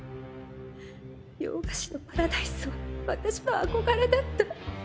「洋菓子のパラダイス」は私の憧れだった。